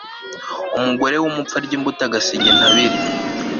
umugore w'umupfu arya imbuto agasiga intabire